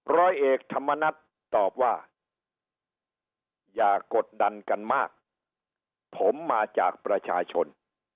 ร้อยเอกธรรมนัฏตอบว่าอย่ากดดันกันมากผมมาจากประชาชน